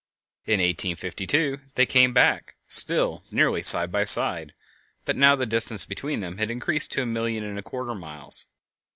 In 1852 they came back, still nearly side by side, but now the distance between them had increased to a million and a quarter of miles.